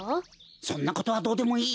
そんなことはどうでもいい！